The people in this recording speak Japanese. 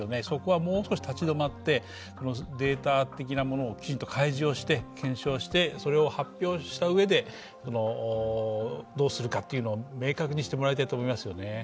そこはもう少し立ち止まってデータ的なものを開示して検証して、それを発表した上でどうするかというのを明確にしてもらいたいと思いますよね。